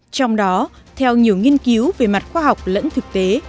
trong đó theo nhiều nghiên cứu về mặt khoa học lẫn thực tế